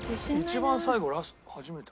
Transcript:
一番最後ラスト初めて。